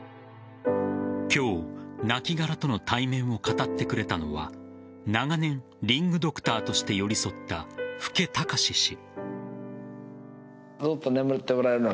今日、亡きがらとの対面を語ってくれたのは長年リングドクターとして寄り添った富家孝氏。